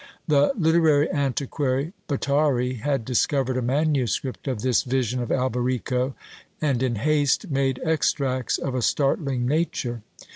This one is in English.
The literary antiquary, Bottari, had discovered a manuscript of this Vision of Alberico, and, in haste, made extracts of a startling nature.